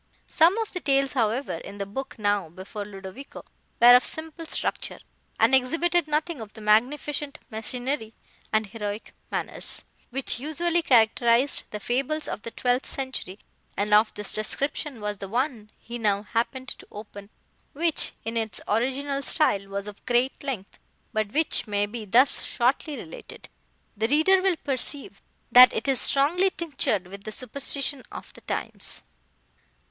Some of the tales, however, in the book now before Ludovico, were of simple structure, and exhibited nothing of the magnificent machinery and heroic manners, which usually characterised the fables of the twelfth century, and of this description was the one he now happened to open, which, in its original style, was of great length, but which may be thus shortly related. The reader will perceive that it is strongly tinctured with the superstition of the times.